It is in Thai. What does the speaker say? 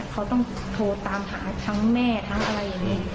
เขาต้องโทรตามหาทั้งแม่ทั้งอะไรอย่างนี้